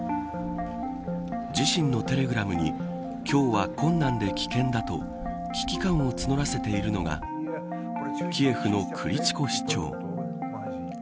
自身のテレグラムに今日は困難で危険だと危機感を募らせているのがキエフのクリチコ市長。